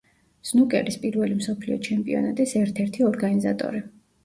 სნუკერის პირველი მსოფლიო ჩემპიონატის ერთ-ერთი ორგანიზატორი.